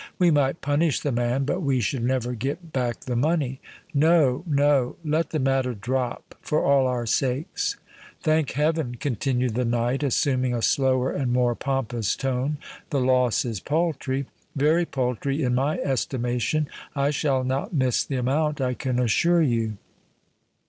We might punish the man; but we should never get back the money. No—no: let the matter drop—for all our sakes. Thank heaven," continued the knight, assuming a slower and more pompous tone, "the loss is paltry—very paltry in my estimation. I shall not miss the amount, I can assure you."